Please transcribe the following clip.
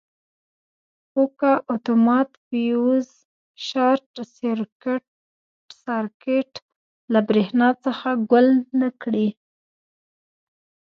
خو که اتومات فیوز شارټ سرکټ له برېښنا څخه ګل نه کړي.